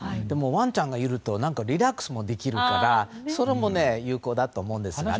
でもワンちゃんがいるとリラックスもできるからそれも有効だと思うんです。